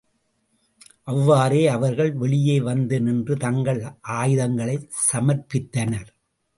அவ்வாறே அவர்கள் வெளியே வந்து நின்று தங்கள் ஆயுதங்களைச் சமர்ப்பித்தனர்.